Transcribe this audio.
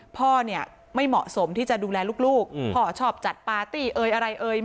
พ่อเนี่ยไม่เหมาะสมที่จะดูแลลูกพ่อชอบจัดปาร์ตี้เอ่ยอะไรเอ่ย